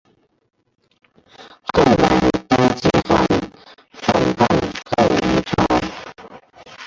后来刁吉罕反叛后黎朝。